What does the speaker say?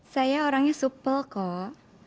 saya orangnya supel kok